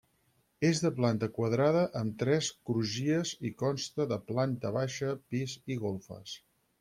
És de planta quadrada amb tres crugies i consta de planta baixa, pis i golfes.